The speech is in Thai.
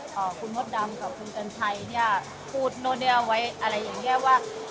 อ่าคุณมดดำกับคุณกัญชัยเนี้ยพูดโน่นเนี่ยเอาไว้อะไรอย่างเงี้ยว่า